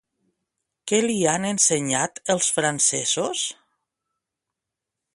Què li han ensenyat els francesos?